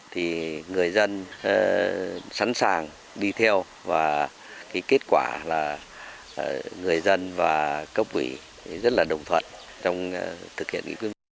thì người dân sẵn sàng đi theo và kết quả là người dân và cấp quỷ rất là đồng thuận trong thực hiện